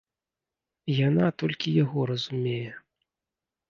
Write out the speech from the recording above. Яна толькі яго разумее.